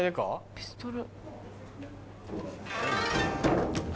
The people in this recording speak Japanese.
ピストル。